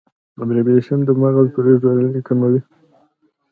د ډیپریشن د مغز سیروټونین کموي.